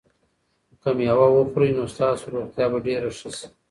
که مېوه وخورئ نو ستاسو روغتیا به ډېره ښه شي.